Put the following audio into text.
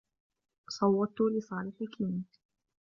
صوّتُّ لصالح كين.